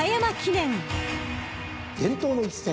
伝統の一戦。